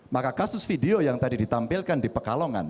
maka kasus video yang tadi ditampilkan di pekalongan